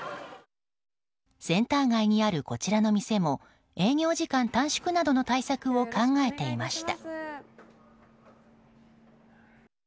センター街にあるこちらの店も営業時間短縮などの対策を考えていました。